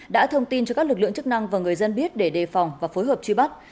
đã thông tin cho các lực lượng chức năng và người dân biết để đề phòng và phối hợp truy bắt